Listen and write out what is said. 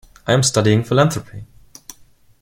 I am studying philanthropy.